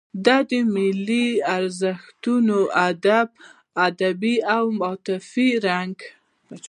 د ملي ارزښتونو ادبي او عاطفي رنګ.